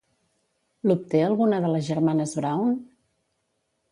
L'obté alguna de les germanes Brown?